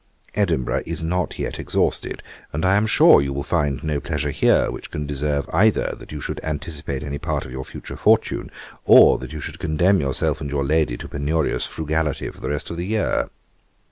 Edinburgh is not yet exhausted; and I am sure you will find no pleasure here which can deserve either that you should anticipate any part of your future fortune, or that you should condemn yourself and your lady to penurious frugality for the rest of the year.